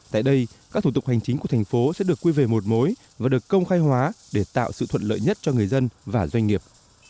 tại đây các thủ tục hành chính của thành phố sẽ được quy về một mối và được công khai hóa để tạo sự thuận lợi nhất cho người dân và doanh nghiệp